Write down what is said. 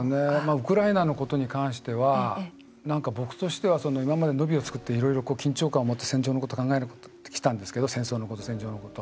ウクライナのことに関しては、僕としては今まで「野火」を作っていろいろ緊張感を持って戦場のことを考えてきたんですけど戦争のこと、戦場のこと。